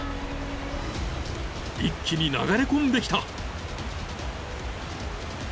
［一気に流れ込んできた］